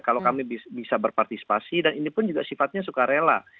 kalau kami bisa berpartisipasi dan ini pun juga sifatnya suka rela